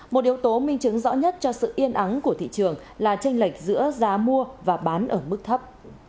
một yếu tố minh chứng rõ nhất cho sự yên ắng của thị trường là tranh lệch giữa giá mua và bán ở mức thấp